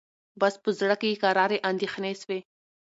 بس په زړه کي یې کراري اندېښنې سوې